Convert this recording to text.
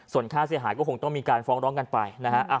ส่วนค่าเสียหายก็คงต้องมีการฟ้องร้องกันไปนะฮะ